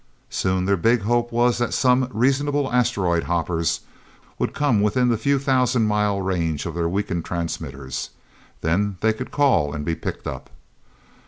Soon their big hope was that some reasonable asteroid hoppers would come within the few thousand mile range of their weakened transmitters. Then they could call, and be picked up.